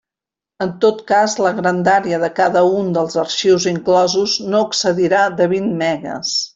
En tot cas, la grandària de cada un dels arxius inclosos no excedirà de vint megues.